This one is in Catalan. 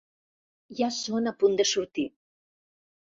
Ja són a punt de sortir.